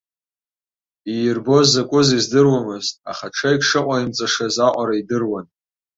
Иирбоз закәыз издыруамызт, аха ҽеик шыҟаимҵашаз аҟара идыруан.